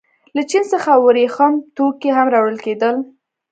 له چین څخه ورېښم توکي هم راوړل کېدل.